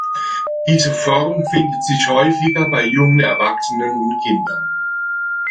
Diese Form findet sich häufiger bei jungen Erwachsenen und Kindern.